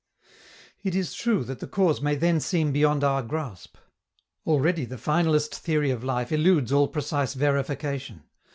It is true that the cause may then seem beyond our grasp. Already the finalist theory of life eludes all precise verification.